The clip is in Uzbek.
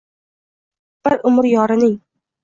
Bir umr yorining